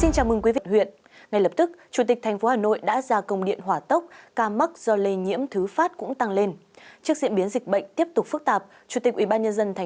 chào mừng quý vị đến với bộ phim hãy nhớ like share và đăng ký kênh của chúng mình nhé